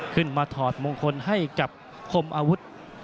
ขึ้นมาถอดมงคลให้กับคมอาวุธ